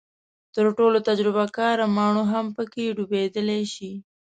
تر ټولو تجربه کاره ماڼو هم پکې ډوبېدلی شي.